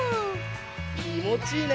きもちいいね。ね！